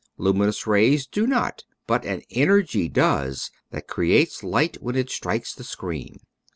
Luminous rays do not, but an energy does that creates light when it strikes the screen.